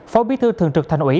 phó bí thư thường trực thành ủy